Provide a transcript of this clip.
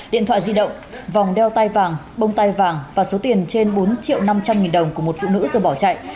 điện thoại di động vòng đeo tay vàng bông tay vàng và số tiền trên bốn triệu năm trăm linh nghìn đồng của một phụ nữ rồi bỏ chạy